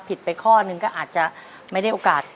ไปข้อหนึ่งก็อาจจะไม่ได้โอกาส